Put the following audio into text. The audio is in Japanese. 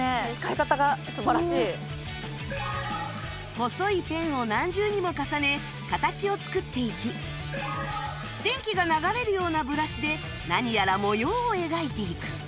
細いペンを何重にも重ね形を作っていき電気が流れるようなブラシで何やら模様を描いていく